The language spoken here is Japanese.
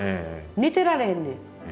寝てられへんねん。